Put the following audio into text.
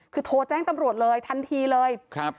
คือโทรแจ้งตำรวจเลยทันทีเลย